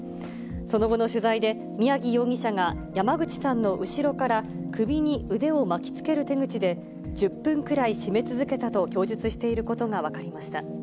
その後の取材で、宮城容疑者が山口さんの後ろから首に腕を巻きつける手口で、１０分くらい絞め続けたと供述していることが分かりました。